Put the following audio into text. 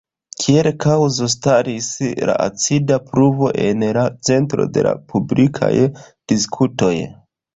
Kiel kaŭzo staris la acida pluvo en la centro de la publikaj diskutoj.